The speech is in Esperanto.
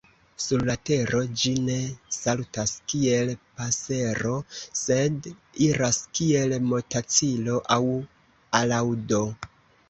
Sur la tero ĝi ne saltas kiel pasero sed iras kiel motacilo aŭ alaŭdo.